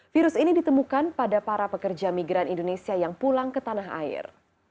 virus ini ditemukan pada para pekerja migran indonesia yang pulang ke tanah air